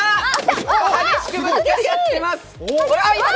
激しくぶつかり合っています。